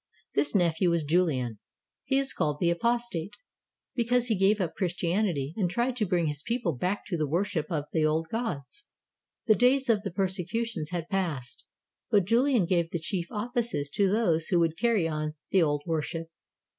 This nephew was Julian. He is called "the Apostate," because he gave up Christian ity and tried to bring his people back to the worship of the old gods. The days of the persecutions had passed, but Julian gave the chief offices to those who would carry on the old worship.